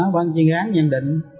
ban chuyên án nhận định